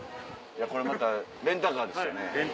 これまたレンタカーですよね。